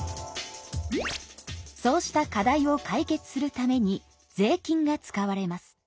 そうした課題を解決するために税金が使われます。